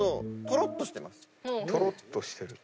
トロッとしてる。